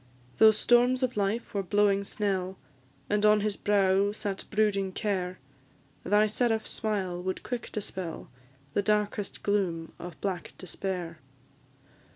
Though storms of life were blowing snell, And on his brow sat brooding care, Thy seraph smile would quick dispel The darkest gloom of black despair.